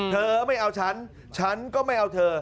เธอไม่เอาฉันฉันก็ไม่เอาเธอ